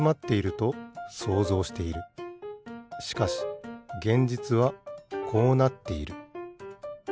しかし現実はこうなっている。